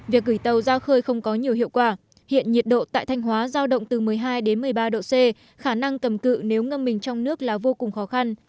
việc gửi tàu ra khơi không có nhiều hiệu quả hiện nhiệt độ tại thanh hóa giao động từ một mươi hai đến một mươi ba độ c khả năng cầm cự nếu ngâm mình trong nước là vô cùng khó khăn